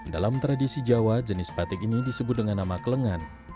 dalam tradisi jawa jenis batik ini disebut dengan nama kelengan